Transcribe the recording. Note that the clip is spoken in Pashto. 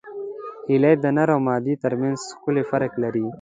هیلۍ د نر او مادې ترمنځ ښکلی فرق لري